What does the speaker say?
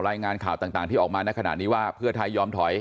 รายงานข่าวต่างที่ออกมาในขณะนี้ว่าเพื่อไทยยอมถอย